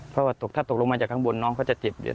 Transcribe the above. เพราะว่าถ้าตกลงมาจากข้างบนน้องเขาจะเจ็บอยู่